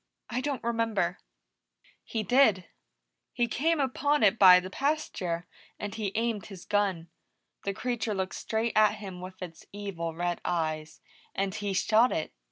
"I don't remember." "He did. He came upon it by the pasture, and he aimed his gun. The creature looked straight at him with its evil red eyes, and he shot it.